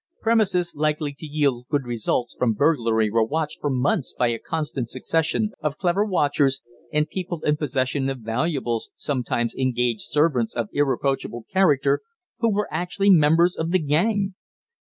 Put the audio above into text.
Premises likely to yield good results from burglary were watched for months by a constant succession of clever watchers, and people in possession of valuables sometimes engaged servants of irreproachable character who were actually members of the gang.